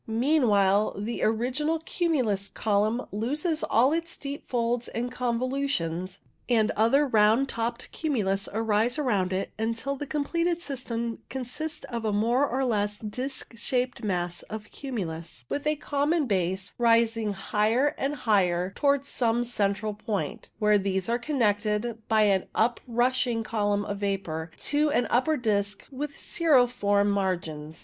Meanwhile, the original cumulus column loses all its deep folds and con volutions, and other round topped cumulus arise around it until the completed system consists of a more or less disc shaped mass of cumulus, with a common base, rising higher and higher towards some central point, where these are connected, by an uprushing column of vapour, to an upper disc with cirriform margins.